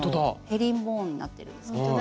ヘリンボーンになってるんですけども。